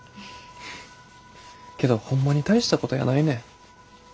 けどホンマに大したことやないねん。